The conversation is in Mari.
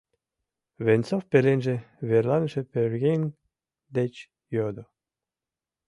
— Венцов пеленже верланыше пӧръеҥ деч йодо.